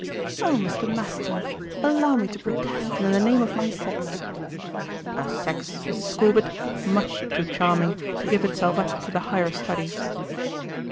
"Oh, Mr. Maston, allow me to protest in the name of my sex." "A sex, Mrs. Scorbitt, much too charming to give itself up to the higher studies."